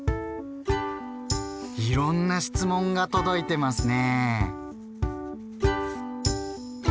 いろんな質問が届いてますね。